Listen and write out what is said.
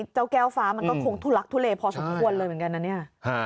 เจ้าแก้วฟ้ามันก็คงทุลักทุเลพอสมควรเลยเหมือนกันนะเนี่ย